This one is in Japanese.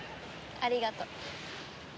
ありがとう。